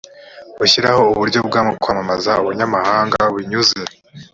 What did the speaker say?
gushyiraho uburyo bwo kwamamaza ubunyamwuga binyuze